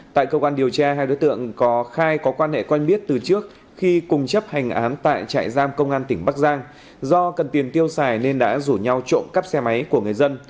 tại cơ quan điều tra hai đối tượng có khai có quan hệ quen biết từ trước khi cùng chấp hành án tại trại giam công an tỉnh bắc giang do cần tiền tiêu xài nên đã rủ nhau trộm cắp xe máy của người dân